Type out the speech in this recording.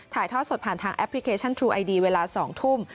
ถ่ายทอดสดผ่านทางแอปพลิเคชันทรูไอดีเวลา๒ทุ่ม